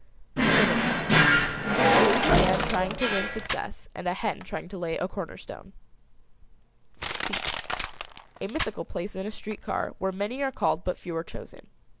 SYNONYM. A lazy man trying to win success and a hen trying to lay a corner stone. SEAT. A mythical place in a street car where many are called but few are chosen.